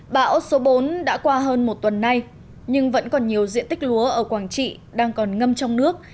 bão số bốn đã qua hơn một tuần nay nhưng vẫn còn nhiều diện tích lúa ở quảng trị đang còn ngâm trong nước